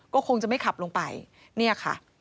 ก็คงจะไม่ขับลงไปเนี่ยค่ะ